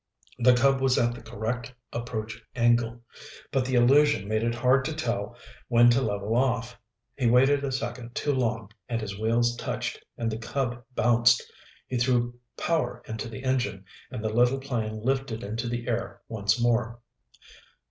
The Cub was at the correct approach angle. But the illusion made it hard to tell when to level off. He waited a second too long, and his wheels touched and the Cub bounced. He threw power into the engine and the little plane lifted into the air once more.